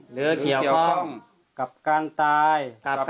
หรือเกี่ยวข้องกับการตาย